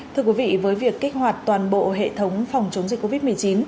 thưa quý vị với việc kích hoạt toàn bộ hệ thống phòng chống dịch covid một mươi chín